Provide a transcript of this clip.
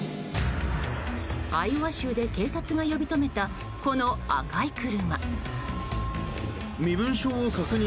アイオワ州で警察が呼び止めたこの赤い車。